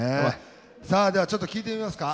さあではちょっと聞いてみますか。